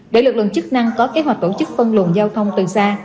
để lực lượng chức năng có kế hoạch tổ chức phân luồn giao thông từ xa